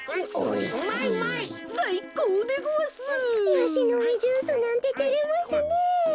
ヤシの実ジュースなんててれますねえ。